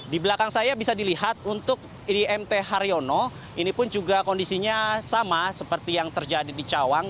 di belakang saya bisa dilihat untuk di mt haryono ini pun juga kondisinya sama seperti yang terjadi di cawang